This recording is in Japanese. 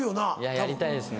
やりたいですね。